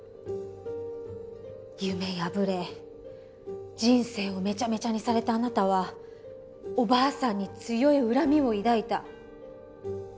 夢破れ人生をメチャメチャにされたあなたはおばあさんに強い恨みを抱いた。